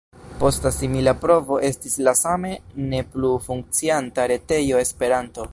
Posta simila provo estis la same ne plu funkcianta retejo Esperanto.